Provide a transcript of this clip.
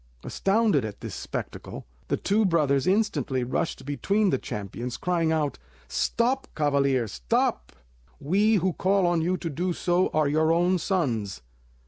Astounded at this spectacle, the two brothers instantly rushed between the champions, crying out "Stop, cavaliers! Stop! We who call on you to do so are your own sons!